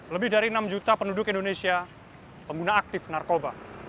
lebih dari enam juta penduduk indonesia pengguna aktif narkoba